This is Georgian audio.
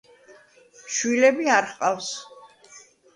შვილები არ ჰყავს.